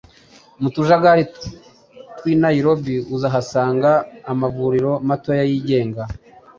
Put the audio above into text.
mu tujagari tw'i nairobi uzahasanga amavuriro matoya yigenga